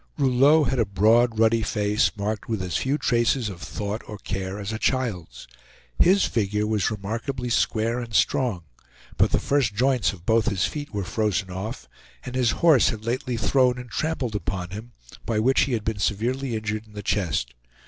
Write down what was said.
Rouleau had a broad ruddy face marked with as few traces of thought or care as a child's. His figure was remarkably square and strong, but the first joints of both his feet were frozen off, and his horse had lately thrown and trampled upon him, by which he had been severely injured in the chest.